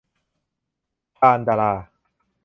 ซานดรา